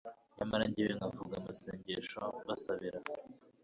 nyamara jyewe nkavuga amasengesho mbasabira